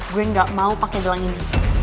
gue gak mau pakai gelang ini